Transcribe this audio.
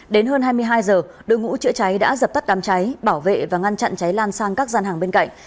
đến hơn hai mươi hai giờ đội ngũ chữa cháy đã dập tắt đám cháy bảo vệ và ngăn chặn cháy lan sang các gian hàng bên cạnh